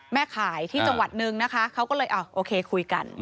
แม่ขายที่จังหวัดนึงนะคะเขาก็เลยโอเคคุยกัน